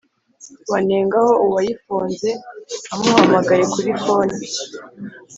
wanengaho uwayifunze, amuhamagaye kuri phone